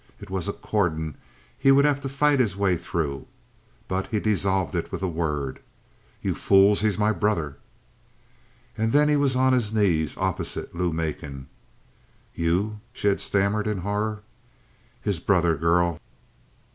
It was a cordon he would have to fight his way through: but he dissolved it with a word. "You fools! He's my brother!" And then he was on his knees opposite Lou Macon. "You?" she had stammered in horror. "His brother, girl."